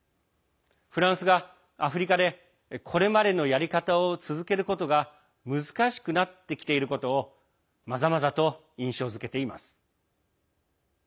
フランスがアフリカでこれまでのやり方を続けることが難しくなってきていることをまざまざと印象づけています。